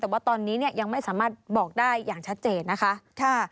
แต่ว่าตอนนี้เนี่ยยังไม่สามารถบอกได้อย่างชัดเจนนะคะ